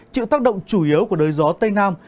chịu tác động chủ yếu của đới gió tây nam